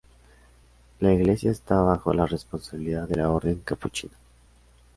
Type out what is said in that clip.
La iglesia esta bajo la responsabilidad de la Orden Capuchina.